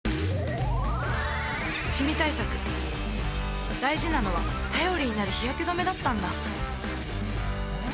シミ対策大事なのは頼りになる日焼け止めだったんだ